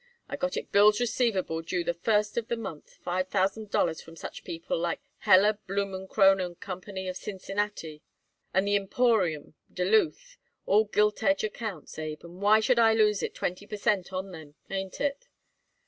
I got it bills receivable due the first of the month, five thousand dollars from such people like Heller, Blumenkrohn & Co., of Cincinnati, and The Emporium, Duluth, all gilt edge accounts, Abe, and why should I lose it twenty per cent. on them, ain't it?"